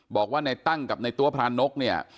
บอกว่าในตั้งกับในตัวพรานกเนี่ย